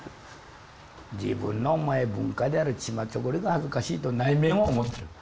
自分のお前文化であるチマチョゴリが恥ずかしいと内面は思ってる。